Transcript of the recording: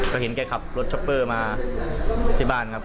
ก็เห็นแกขับรถช็อปเปอร์มาที่บ้านครับ